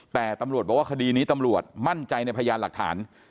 แต่ตำรวจบอกว่าคดีนี้ตำรวจมั่นใจในพยานหลักฐาน